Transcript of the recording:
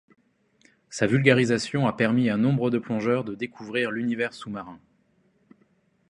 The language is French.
Sa vulgarisation a permis à nombre de plongeurs de découvrir l'univers sous-marin.